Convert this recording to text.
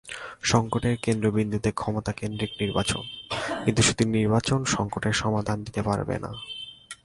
সংকটের কেন্দ্রবিন্দুতে ক্ষমতাকেন্দ্রিক নির্বাচন, কিন্তু শুধু নির্বাচন সংকটের সমাধান দিতে পারবে না।